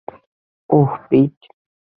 ওহ, পিট!